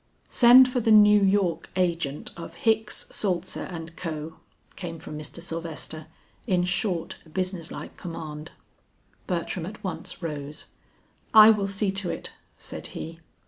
"Send for the New York agent of Hicks, Saltzer and Co.," came from Mr. Sylvester, in short, business like command. Bertram at once rose. "I will see to it," said he.